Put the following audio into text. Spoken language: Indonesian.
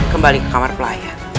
kembali ke kamar pelayan